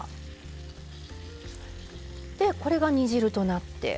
これが煮汁となって。